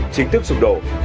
chính thức xung đột